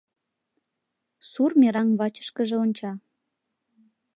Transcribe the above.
Сур мераҥ вачышкыже онча